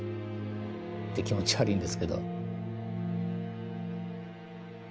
で気持ち悪いんですけど。